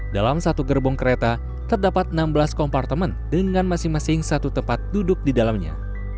dalam satu gerbong kereta terdapat enam belas kompartemen dengan masing masing satu tempat duduk di dalamnya